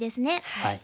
はい。